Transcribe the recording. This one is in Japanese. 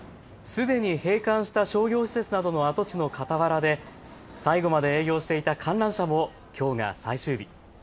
すでに閉館した商業施設などの跡地のかたわらで最後まで営業していた観覧車もきょうが最終日。